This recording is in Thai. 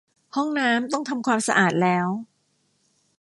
ห้องน้ำต้องทำความสะอาดแล้ว